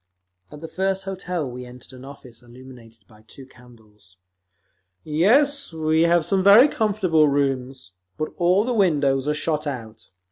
At the first hotel we entered an office illuminated by two candles. "Yes, we have some very comfortable rooms, but all the windows are shot out.